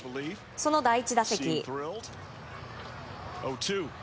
その第１打席。